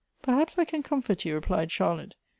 " Perhaps I can comfort you," replied Charlotte.